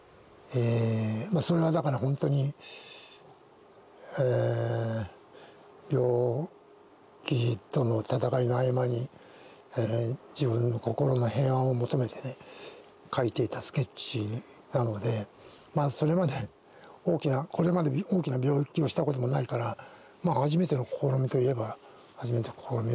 それはだからほんとに病気との闘いの合間に自分の心の平安を求めてね書いていたスケッチなのでまあそれまでこれまで大きな病気をしたこともないから初めての試みといえば初めての試みですね。